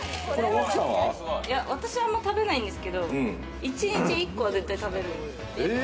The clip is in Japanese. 私はあんまり食べないんですけれども、１日１個は絶対食べる。